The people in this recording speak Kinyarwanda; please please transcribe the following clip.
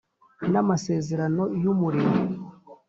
N amasezerano y umurimo